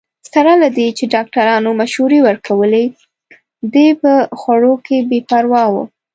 سره له دې چې ډاکټرانو مشورې ورکولې، دی په خوړو کې بې پروا وو.